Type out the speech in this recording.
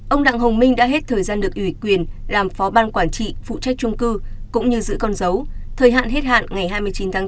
ông đặng hồng minh đã hết thời gian được ủy quyền làm phó ban quản trị phụ trách trung cư cũng như giữ con dấu thời hạn hết hạn ngày hai mươi chín tháng tám